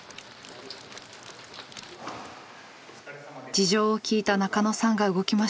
事情を聞いた中野さんが動きました。